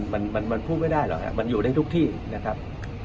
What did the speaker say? มันมันพูดไม่ได้หรอกครับมันอยู่ได้ทุกที่นะครับ